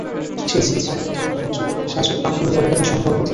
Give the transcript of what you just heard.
সেই চিকিৎসায় অথবা মনের জোরে সাজু প্রাণপণে লড়ে গেলেন সন্ধ্যা অবধি।